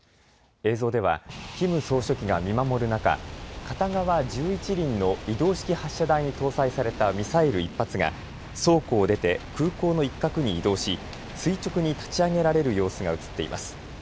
映像ではキム総書記が見守る中、片側１１輪の移動式発射台に搭載されたミサイル１発が倉庫を出て空港の一角に移動し垂直に立ち上げられる様子が映っています。